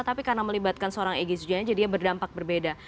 tapi karena melibatkan seorang igzu aja dia berdampak berbeda